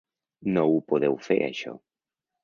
No ho podeu fer això.